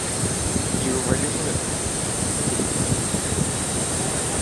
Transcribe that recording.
— І в Велімира... Тільки пізно...